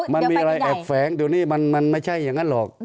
มันมีอะไรแอบแฝงเดี๋ยวนี้มันไม่ใช่อย่างนั้นหรอก